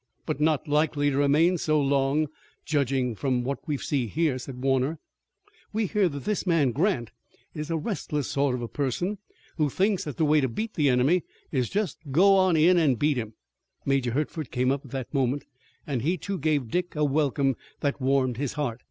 "But not likely to remain so long, judging from what we see here," said Warner. "We hear that this man Grant is a restless sort of a person who thinks that the way to beat the enemy is just to go in and beat him." Major Hertford came up at that moment, and he, too, gave Dick a welcome that warmed his heart.